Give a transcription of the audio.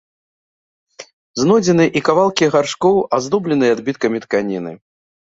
Знойдзены і кавалкі гаршкоў, аздобленыя адбіткамі тканіны.